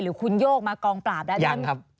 หรือคุณโยกมากองปราบแล้วยังครับ